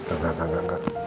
enggak enggak enggak